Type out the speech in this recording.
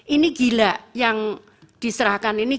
ini gila yang diserahkan ini